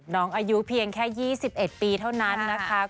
น้องอายุเพียงแค่๒๑ปีเท่านั้นนะคะ